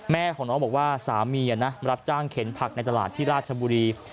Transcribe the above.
แม่ของน้องบอกว่าสามีรับจ้างเข็นผักในตลาดที่ราชบุรี